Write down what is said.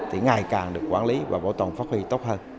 thì ngày càng được quản lý và bảo tồn phát huy tốt hơn